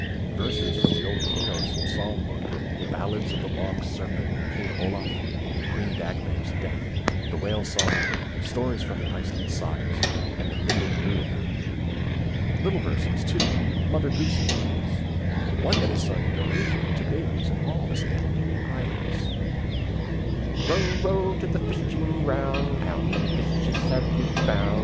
Verses from the old Kingos Psalm book, ballads of the Long Serpent and King Olaf, of Queen Dagmar's death, the Whale Song, stories from the Iceland Sagas and the Nibelungenlied. Little verses, too, Mother Goosey jingles; one that is sung in Norwegian to babies in all the Scandinavian lands: Row, row to the fishing ground, How many fishes have you found?